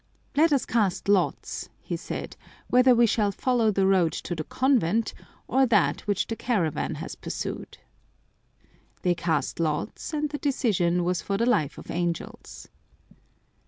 " Let us cast lots," he said, " whether we shall follow the road to the convent, or that which the caravan has pursued." They cast lots, and the decision was for the life of angels.